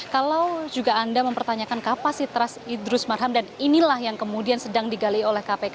kalau juga anda mempertanyakan kapasitas idrus marham dan inilah yang kemudian sedang digali oleh kpk